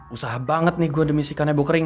usaha banget nih gue demi sikannya bokering